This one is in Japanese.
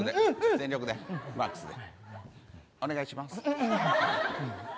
全力でマックスで。